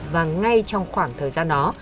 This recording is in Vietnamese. và ngay trong khoảng thời gian đó